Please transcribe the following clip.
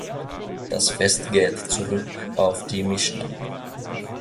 Das Fest geht zurück auf die Mischna.